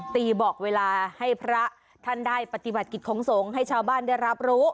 ตีบอกเวลาให้พระท่านได้ปฏิบัติกิจของสงฆ์ให้ชาวบ้านได้รับรู้